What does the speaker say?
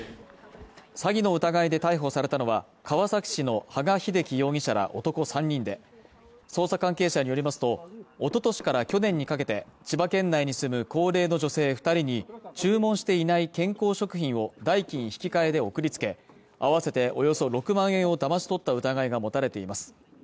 詐欺の疑いで逮捕されたのは川崎市の羽賀秀樹容疑者ら男３人で捜査関係者によりますとおととしから去年にかけて千葉県内に住む高齢の女性二人に注文していない健康食品を代金引換で送りつけ合わせておよそ６万円をだまし取った疑いが持たれています